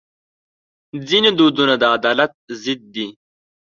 ځینې دودونه د عدالت ضد دي.